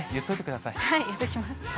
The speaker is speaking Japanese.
言っておきます。